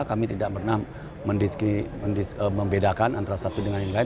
kami tidak pernah membedakan antara satu dengan yang lain